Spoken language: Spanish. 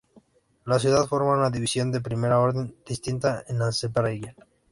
La ciudad forma una división de primer orden distinta en Azerbaiyán.